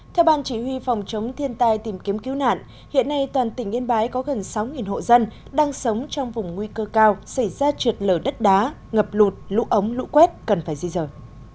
theo ban chỉ huy phòng chống thiên tai tìm kiếm cứu nạn hiện nay toàn tỉnh yên bái có gần sáu hộ dân đang sống trong vùng nguy cơ cao xảy ra trượt lở đất đá ngập lụt lũ ống lũ quét cần phải di dời